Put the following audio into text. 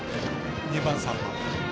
２番、３番。